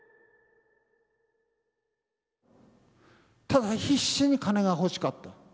ただ必死に金が欲しかった。